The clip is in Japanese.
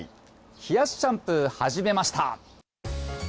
冷やしシャンプー、はじめました。